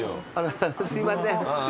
すいません。